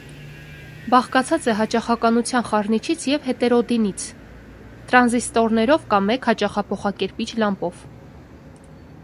Բաղկացած է հաճախականության խառնիչից և հետերոդինից (տրանզիստորներով կամ մեկ հաճախափոխակերպիչ լամպով)։